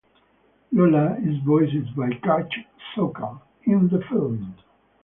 Lola is voiced by Kath Soucie in the film.